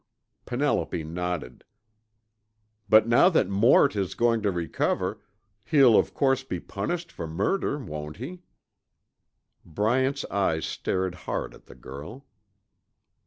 Penelope nodded. "But now that Mort is going to recover, he'll of course be punished for murder, won't he?" Bryant's eyes stared hard at the girl.